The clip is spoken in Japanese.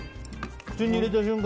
口に入れた瞬間